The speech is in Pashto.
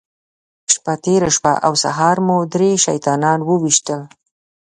شپه تېره شوه او سهار مو درې شیطانان وويشتل.